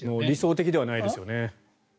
理想的ではないですよね。